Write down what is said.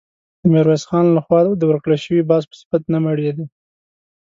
د ميرويس خان له خوا د ورکړل شوي باز په صفت نه مړېده.